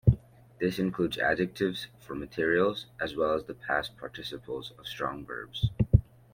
This includes adjectives for materials, as well as the past participles of strong verbs.